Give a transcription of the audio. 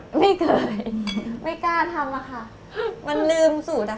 ไม่เคยไม่กล้าทำอะค่ะมันลืมสูตรอะ